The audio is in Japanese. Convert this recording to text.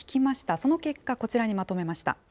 その結果、こちらにまとめました。